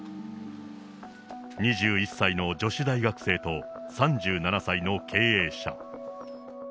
２１歳の女子大学生と３７歳の経営者。